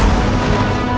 yang lebih baik adalah